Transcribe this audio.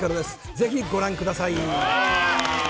ぜひ、ご覧ください。